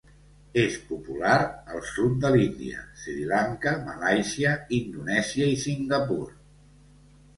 És popular al sud de l'Índia, Sri Lanka, Malàisia, Indonèsia i Singapur.